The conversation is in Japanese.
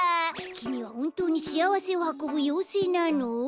きみはほんとうにしあわせをはこぶようせいなの？